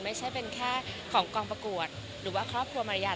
ไม่ใช่เป็นแค่ของกองประกวดหรือว่าครอบครัวมารยาท